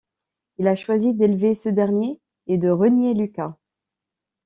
Il a choisi d'élever ce dernier et de renier Lucas.